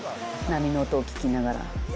波の音を聞きながら。